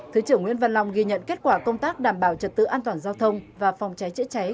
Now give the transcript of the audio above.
thứ trưởng nguyễn văn long ghi nhận kết quả công tác đảm bảo trật tự an toàn giao thông và phòng cháy chữa cháy